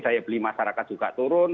daya beli masyarakat juga turun